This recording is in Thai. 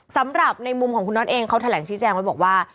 สำหรับในมุมของคุณน็อตเองเขาแถลงชี้แจงไว้บอกว่า